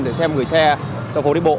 để xem người xe trong phố đi bộ